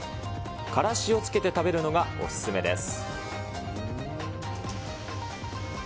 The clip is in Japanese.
からしをつけて食べるのがお勧めです。